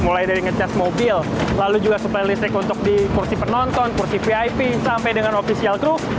mulai dari ngecas mobil lalu juga suplai listrik untuk di kursi penonton kursi vip sampai dengan official truk